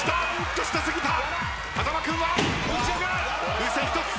風船１つ。